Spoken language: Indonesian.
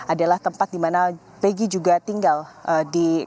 adalah tempat di mana peggy juga tinggal di kabupaten cirebon